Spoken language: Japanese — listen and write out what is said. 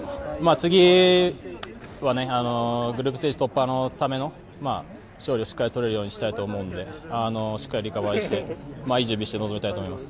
次はグループステージ突破のための勝利をしっかりとれるようにしたいと思うのでしっかりリカバリーしていい準備をして臨みたいと思います。